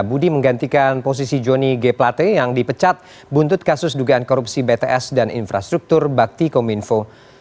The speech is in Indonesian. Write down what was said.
budi menggantikan posisi joni g plate yang dipecat buntut kasus dugaan korupsi bts dan infrastruktur bakti kominfo